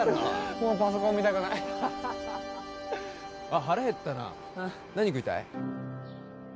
もうパソコン見たくないハハハハあっ腹減ったな何食いたい？